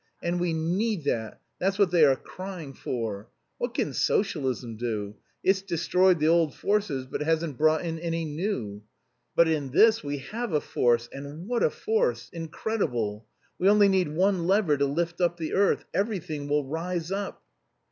And we need that; that's what they are crying for. What can Socialism do: it's destroyed the old forces but hasn't brought in any new. But in this we have a force, and what a force! Incredible. We only need one lever to lift up the earth. Everything will rise up!"